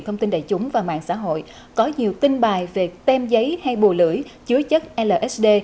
thông tin đại chúng và mạng xã hội có nhiều tin bài về tem giấy hay bù lưỡi chứa chất lsd